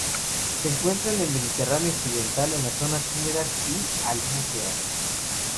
Se encuentra en el Mediterráneo occidental, en las zonas húmedas y albuferas.